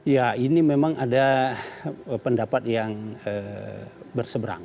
ya ini memang ada pendapat yang berseberang